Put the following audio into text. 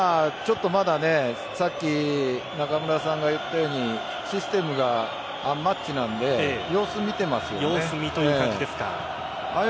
さっき中村さんが言ったようにシステムがアンマッチなので様子を見てますね。